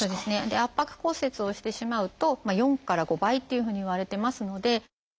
圧迫骨折をしてしまうと４から５倍っていうふうにいわれてますので。